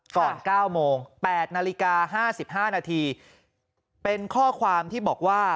๙โมง๘นาฬิกา๕๕นาทีเป็นข้อความที่บอกว่า